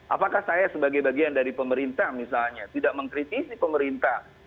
apakah saya sebagai bagian dari pemerintah misalnya tidak mengkritisi pemerintah